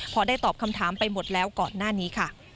พอได้ตอบคำถามไปหมดแล้วก่อนหน้านี้ค่ะ